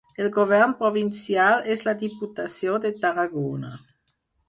El govern provincial és la Diputació de Tarragona.